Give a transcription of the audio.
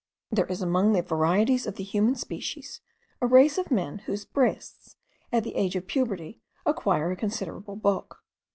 There is among the varieties of the human species a race of men whose breasts at the age of puberty acquire a considerable bulk.